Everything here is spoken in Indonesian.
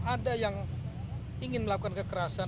ada yang ingin melakukan kekerasan